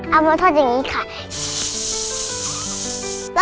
เอามาทอดอย่างนี้ค่ะ